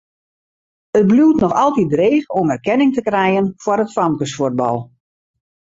It bliuwt noch altyd dreech om erkenning te krijen foar it famkesfuotbal.